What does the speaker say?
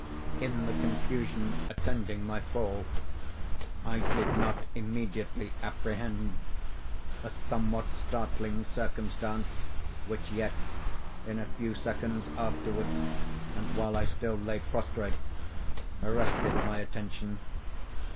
In the confusion attending my fall, I did not immediately apprehend a somewhat startling circumstance, which yet, in a few seconds afterward, and while I still lay prostrate, arrested my attention.